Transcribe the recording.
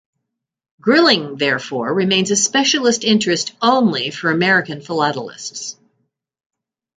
"Grilling" therefore remains a specialist interest only for American philatalists.